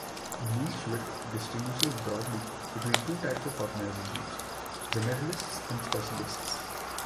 Niche width distinguishes broadly between two types of organizations: generalists and specialists.